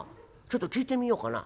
ちょっと聞いてみようかな。